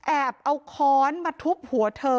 แอบเอาค้อนมาทุบหัวเธอ